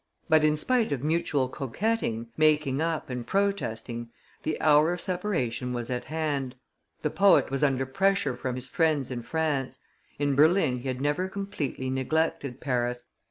But in spite of mutual coquetting, making up, and protesting, the hour of separation was at hand; the poet was under pressure from his friends in France; in Berlin he had never completely neglected Paris.